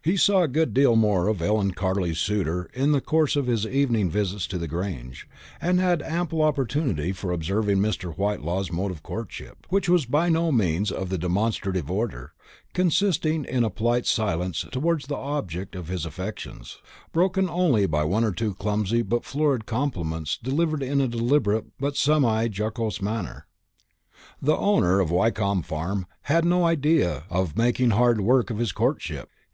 He saw a good deal more of Ellen Carley's suitor in the course of his evening visits to the Grange, and had ample opportunity for observing Mr. Whitelaw's mode of courtship, which was by no means of the demonstrative order, consisting in a polite silence towards the object of his affections, broken only by one or two clumsy but florid compliments, delivered in a deliberate but semi jocose manner. The owner of Wyncomb Farm had no idea of making hard work of his courtship.